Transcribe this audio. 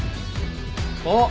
あっ！